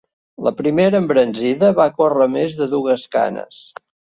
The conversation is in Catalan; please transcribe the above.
La primera embranzida, va córrer més de dugues canes